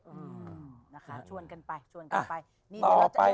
ชวนกันไปชวนกันไป